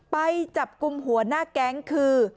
ไปจับกลุ่มหัวหน้าแก๊งคือ